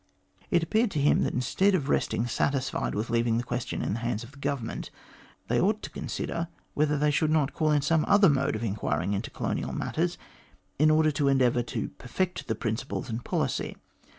It appeared to him that instead of resting satisfied with leaving the question in the hands of the Government, they ought to consider whether they should not call in some other mode of enquiring into colonial matters, in order to endeavour to perfect their principles and policy.